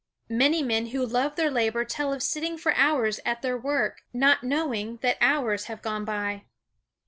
Many men who love their labor tell of sitting for hours at their work not knowing that hours have gone by.